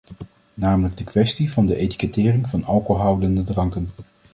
Namelijk de kwestie van de etikettering van alcoholhoudende dranken.